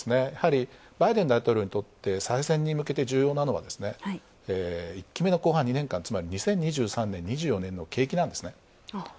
やはり、バイデン大統領にとって再選に向けて重要なのは１期目後半２年間、つまり２０２３年、２０２４年の景気なんですね。